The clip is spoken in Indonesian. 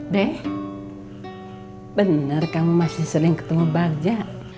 deh benar kamu masih sering ketemu bagja